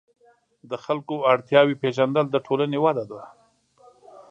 د خلکو اړتیاوې پېژندل د ټولنې وده ده.